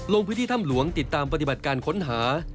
ลงพื้นที่ถ้ำหลวงติดตามปฏิบัติการค้นหา